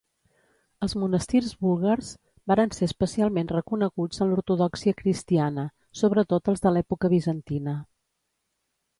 Els monestirs búlgars varen ser especialment reconeguts en l'ortodòxia cristiana, sobretot els de l'època bizantina.